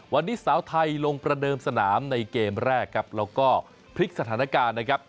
วันนี้สาวไทยลงประเดิมสนามในเกมแรกครับแล้วก็พลิกสถานการณ์นะครับ